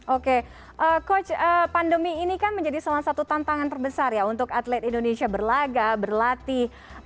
oke coach pandemi ini kan menjadi salah satu tantangan terbesar ya untuk atlet indonesia berlaga berlatih